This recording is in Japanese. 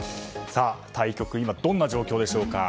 対局、どんな状況でしょうか。